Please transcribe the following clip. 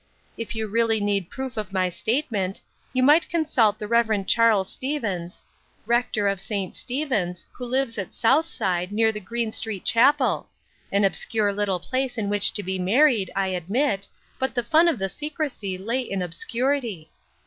If you really need proof of my statement, you might consult the Rev. Charles Stevens, rector of St. Stephen's, who lives at Souths'de, near the Greene Street Chapel. An obscure little place in which to be married, I admit, but the fun of the secrecy lay in obscurity.